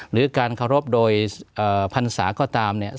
หรือการเคารพโดยพรรษาก็ตามเนี่ย